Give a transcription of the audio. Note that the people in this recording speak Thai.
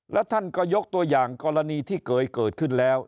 แล้วท่านก็ยกตัวอย่างกรณีที่เคยเกิดขึ้นแล้ว